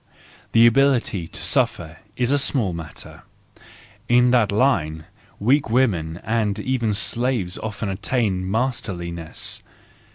The ability to suffer is a small matter: in that line, weak women and even slaves often attain masterliness.